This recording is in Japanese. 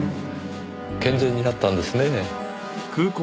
健全になったんですねぇ。